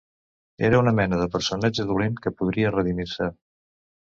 Era una mena de personatge dolent que podria redimir-se.